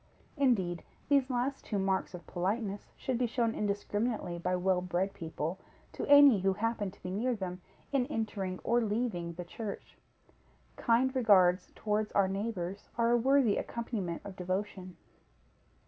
Indeed, these two last marks of politeness should be shown indiscriminately by well bred people to any who happen to be near them, in entering or leaving the church. Kind regards towards our neighbors are a worthy accompaniment of devotion.